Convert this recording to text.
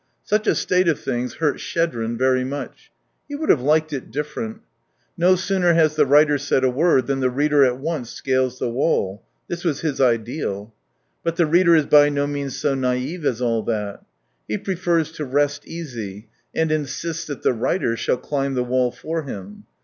Such a state of things hurt Schedrin very much. He would have liked it different ; no sooner has the writer said a word, than the reader at once scales the wall. This was his ideal. But the reader is by no means so naive as all that. He prefers to rest easy, and insists that the writer shall climb the wall for him.